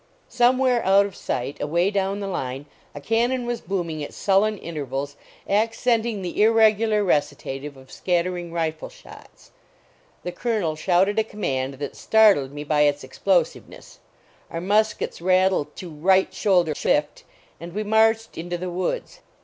Somewhere out of sight, away down the line, a cannon was booming at sul len intervals, accenting the irregular recita tive of scattering rifle shots. The Colonel shouted a command that startled me by its explosiveness ; our muskets rattled to " right shoulder shift and we marched into the woods .